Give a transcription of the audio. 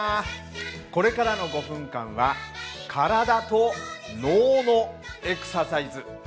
これからの５分間は体と脳のエクササイズ。